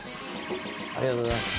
ありがとうございます。